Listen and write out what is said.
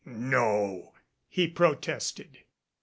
"No," he protested.